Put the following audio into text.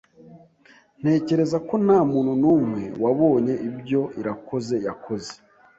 Ntekereza ko ntamuntu numwe wabonye ibyo Irakoze yakoze.